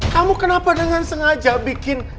kamu kenapa dengan sengaja bikin